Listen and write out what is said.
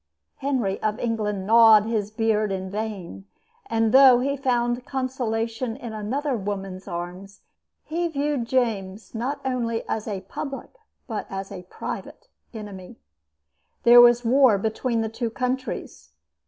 Henry of England gnawed his beard in vain; and, though in time he found consolation in another woman's arms, he viewed James not only as a public but as a private enemy. There was war between the two countries.